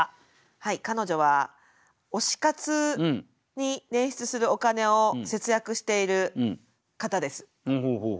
はい彼女は推し活に捻出するお金を節約している方です。